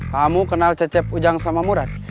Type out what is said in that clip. kamu kenal cecep ujang sama murad